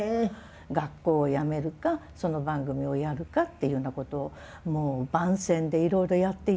学校をやめるかその番組をやるかっていうようなことをもうばんせんでいろいろやっていただいた